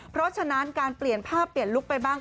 เพราะฉะนั้นการเปลี่ยนภาพเปลี่ยนลุคไปบ้าง